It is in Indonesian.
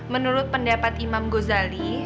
menurut pendapat imam gozali